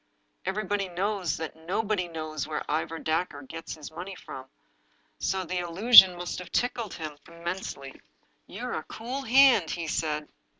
Everybody knows that nobody knows where Ivor Dacre gets his money from, so the allusion must have tickled him immensely. " You're a cool hand," he said.